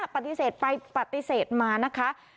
ปฏิเสธไปปฏิเสธมานะคะ